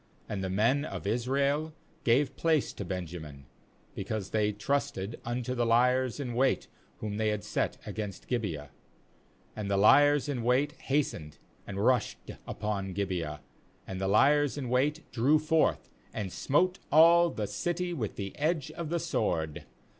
And the men of Israel gave place to Benjamin, because they trusted unto the liers in wait whom they had t set against Gibeah. — 37And the liers in wait has tened, and rushed upon Gibeah; and the liers in wait drew forth, and smote all the city with the edge of the sword.